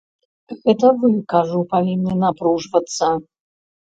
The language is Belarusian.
Гэтыя вы, кажу, павінны напружвацца.